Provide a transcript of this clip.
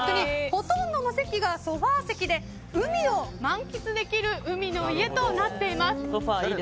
ほとんどの席がソファ席で海を満喫できる海の家となっています。